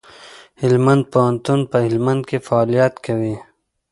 هلمند پوهنتون په هلمند کي فعالیت کوي.